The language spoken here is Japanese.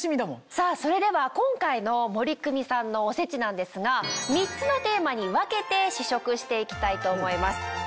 さぁそれでは今回の森クミさんのおせちなんですが３つのテーマに分けて試食して行きたいと思います。